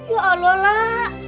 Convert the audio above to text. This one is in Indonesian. ya allah lah